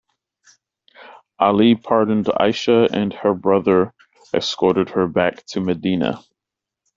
Ali pardoned Aisha and her brother escorted her back to Medina.